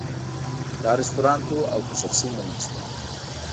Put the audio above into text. دا رستورانت و او که شخصي مېلمستون.